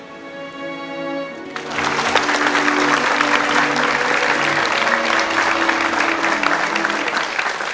ขอบคุณค่ะ